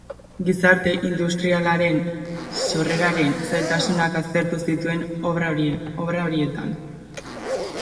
Gizarte industrialaren sorreraren zailtasunak aztertu zituen obra horietan.